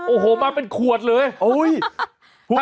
โอ้โฮมาเป็นขวดเลยโอ้ยฮ่า